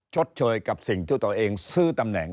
ชดเชยกับสิ่งที่ตัวเองซื้อตำแหน่ง